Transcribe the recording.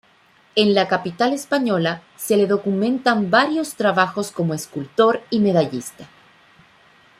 En la capital española se le documentan varios trabajos como escultor y medallista.